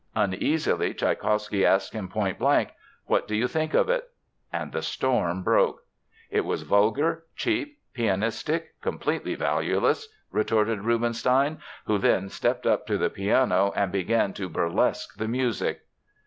Uneasily, Tschaikowsky asked him pointblank: "What do you think of it?" And the storm broke. It was vulgar, cheap, pianistic, completely valueless, retorted Rubinstein, who then stepped up to the piano and began to burlesque the music.